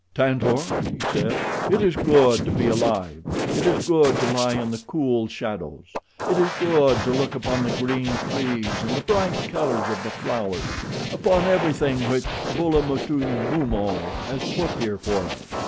"Tantor," he said, "it is good to be alive. It is good to lie in the cool shadows. It is good to look upon the green trees and the bright colors of the flowers upon everything which Bulamutumumo has put here for us.